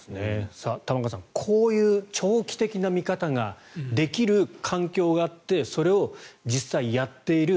玉川さん、こういう長期的な見方ができる環境があってそれを実際、やっている。